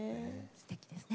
すてきですね。